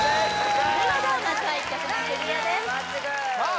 お見事まずは１曲目クリアですさあ